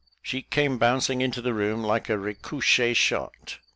She came bouncing into the room like a recouchée shot.